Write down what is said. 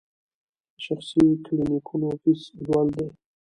د شخصي کلینیکونو فیس لوړ دی؟